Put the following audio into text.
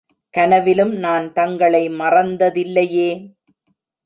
கனவிலும் நான் தங்களை மறந்ததில்லையே!